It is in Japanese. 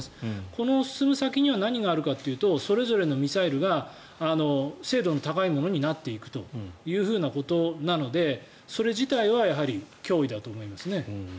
この進む先に何があるかというとそれぞれのミサイルが精度の高いものになっていくということなのでそれ自体はやはり脅威だと思いますね。